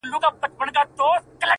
پر اوږو کتاب اخیستې؛ نن د علم جنازه ده,